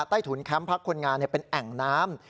ถุนแคมป์พักคนงานเป็นแอ่งน้ำ